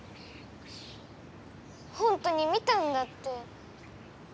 ほんとに見たんだって。